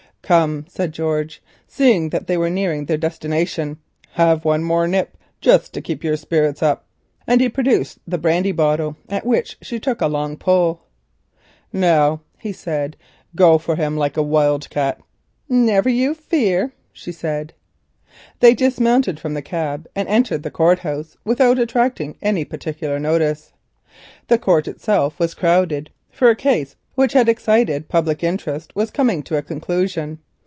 "Come," said George, seeing that they were nearing their destination. "Hev one more nip just to keep your spirits up," and he produced the brandy bottle, at which she took a long pull. "Now," he said, "go for him like a wild cat." "Never you fear," she said. They got out of the cab and entered the Sessions House without attracting any particular notice. The court itself was crowded, for a case which had excited public interest was coming to a conclusion.